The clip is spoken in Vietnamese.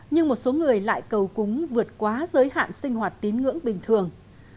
nhưng một số người lại cầu cúng vượt quá giới hạn sinh hoạt tín ngưỡng bình thường